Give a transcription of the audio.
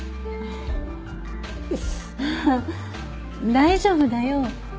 大丈夫だよ。